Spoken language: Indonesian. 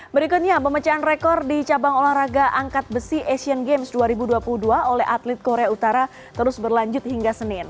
berikutnya pemecahan rekor di cabang olahraga angkat besi asian games dua ribu dua puluh dua oleh atlet korea utara terus berlanjut hingga senin